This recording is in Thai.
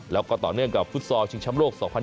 แล้วก็ต่อเนื่องกับฟุตซอลชิงช้ำโลก๒๐๑๖